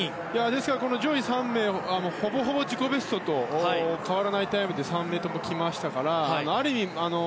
ですから、この上位３名はほぼほぼ自己ベストと変わらないタイムで３名ともきましたからある意味